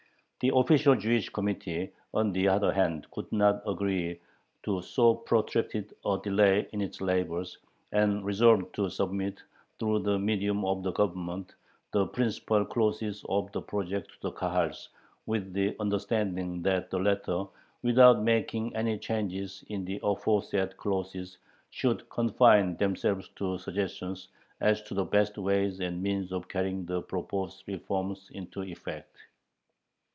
The official Jewish Committee, on the other hand, could not agree to so protracted a delay in its labors, and resolved to submit, through the medium of the Government, the principal clauses of the project to the Kahals, with the understanding that the latter, "without making any changes in the aforesaid clauses," should confine themselves to suggestions as to the best ways and means of carrying the proposed reforms into effect.